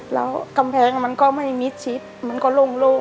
แล้วกำแพงมันก็ไม่มิดชิดมันก็โล่ง